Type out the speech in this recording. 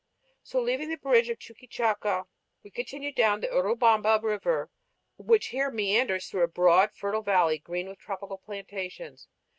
So leaving the bridge of Chuquichaca, we continued down the Urubamba River which here meanders through a broad, fertile valley, green with tropical plantations.